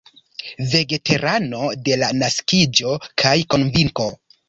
Vegetarano de la naskiĝo kaj konvinko.